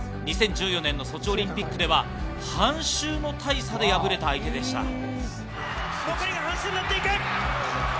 ２０１４年のソチオリンピックでは半周の大差で敗れた相手でした。